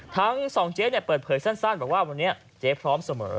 ทั้งสองเจ๊เปิดเผยสั้นบอกว่าวันนี้เจ๊พร้อมเสมอ